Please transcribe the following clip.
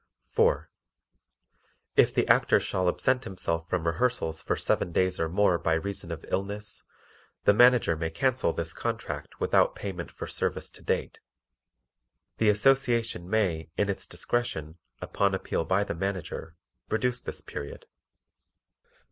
4. If the Actor shall absent himself from rehearsals for seven days or more by reason of illness, the Manager may cancel this contract without payment for service to date. The Association may, in its discretion, upon appeal by the Manager, reduce this period.